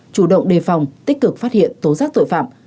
chủ động đề phòng tích cực phát hiện tố giác tội phạm